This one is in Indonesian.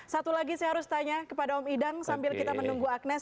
satu lagi saya harus tanya kepada om idang sambil kita menunggu agnes